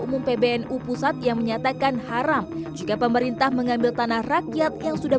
umum pbnu pusat yang menyatakan haram jika pemerintah mengambil tanah rakyat yang sudah